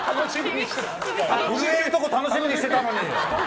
震えるところ楽しみにしてたのに！